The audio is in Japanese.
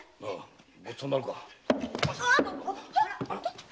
ごちそうになろうか。